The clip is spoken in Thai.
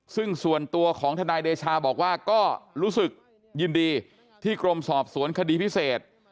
ซึ่งส่วนตัวของทนายเดชาบอกว่าก็รู้สึกยินดีที่กรมสอบสวนคดีพิเศษ